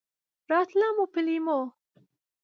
راتله مو په لېمو!